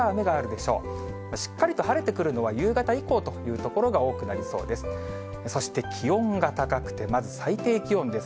しっかりと晴れてくるのは、夕方以降という所が多くなりそうです。